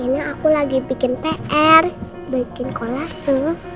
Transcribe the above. ini aku lagi bikin pr bikin kolase